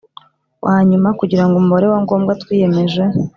Wa nyuma kugira ngo umubare wa ngombwa twiyemeje